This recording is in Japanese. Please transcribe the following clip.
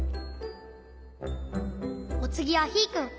おつぎはヒーくん。